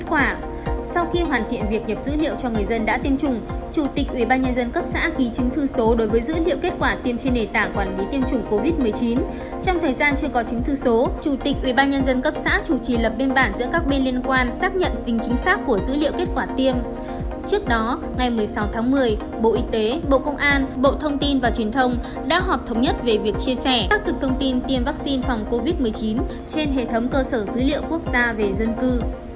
trước đó ngày một mươi sáu tháng một mươi bộ y tế bộ công an bộ thông tin và truyền thông đã họp thống nhất về việc chia sẻ các thực thông tin tiêm vaccine phòng covid một mươi chín trên hệ thống cơ sở dữ liệu quốc gia về dân cư